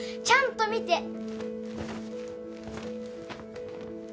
ちゃんと見て。